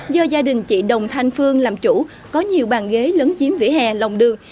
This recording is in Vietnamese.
do gia đình chị đồng thanh phương làm chủ có nhiều bàn ghế lấn chiếm vỉa hè lòng đường